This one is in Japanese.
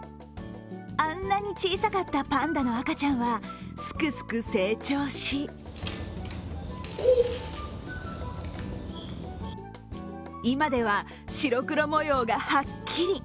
あんなに小さかったパンダの赤ちゃんは、すくすく成長し今では白黒模様がはっきり。